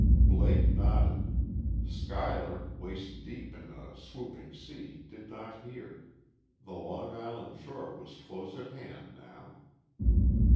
Blake nodded. Schuyler, waist deep in a swooping sea, did not hear... The Long Island shore was close at hand now.